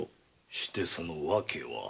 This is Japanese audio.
してそのわけは？